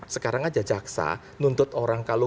sekarang aja jaksa nuntut orang kalau